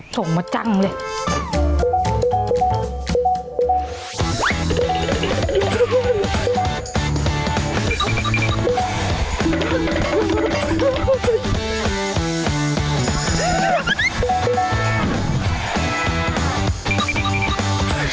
ส่งมาจังเลย